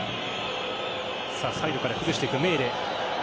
サイドから崩していく、メーレ。